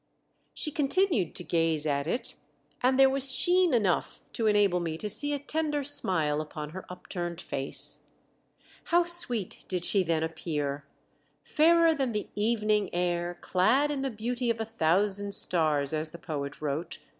She continued to gaze at it, and there was sheen enough to enable me to see a tender smile upon her upturned face. How sweet did she then appear, fairer than the "evening air clad in the beauty of a thousand stars," as the poet wrote.